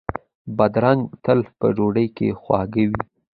بادرنګ تل په ډوډۍ کې خواږه وي.